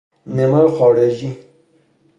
نمو خارجی